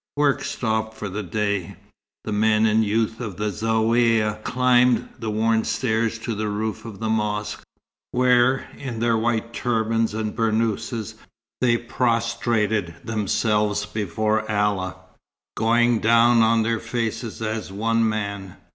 Work stopped for the day. The men and youths of the Zaouïa climbed the worn stairs to the roof of the mosque, where, in their white turbans and burnouses, they prostrated themselves before Allah, going down on their faces as one man.